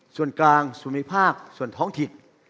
ส่วนกลางสุมิภาคส่วนท้องถิ่น